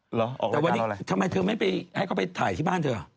เหรอออกรายการเราอะไรแต่วันนี้ทำไมเธอไม่ให้เขาไปถ่ายที่บ้านเถอะ